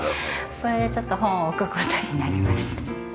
それでちょっと本を置く事になりました。